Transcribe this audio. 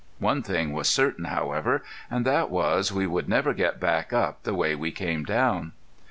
One thing was certain, however, and that was we would never get back up the way we came down.